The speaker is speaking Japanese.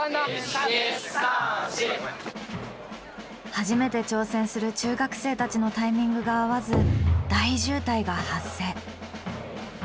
初めて挑戦する中学生たちのタイミングが合わず大渋滞が発生。